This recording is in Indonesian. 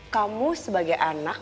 kamu sebagai anak